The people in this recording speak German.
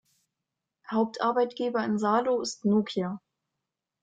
Hauptarbeitgeber in Salo ist Nokia.